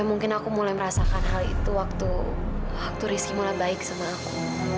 mungkin aku mulai merasakan hal itu waktu rizky mulai baik sama aku